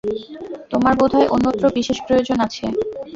তোমার বোধ হয় অন্যত্র বিশেষ প্রয়োজন আছে।